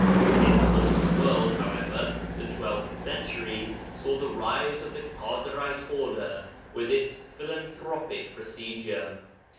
In the Muslim world, however, the twelfth century saw the rise of the Kadirite Order, with its philanthropic procedure.